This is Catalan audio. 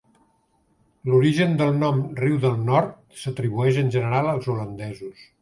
L'origen del nom "Riu del Nord" s'atribueix en general als holandesos.